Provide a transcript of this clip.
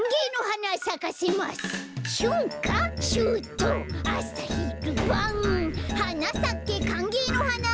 「はなさけかんげいのはな」